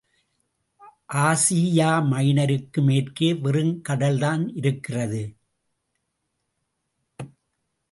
ஆசியாமைனருக்கு மேற்கே வெறுங் கடல்தான் இருக்கிறது.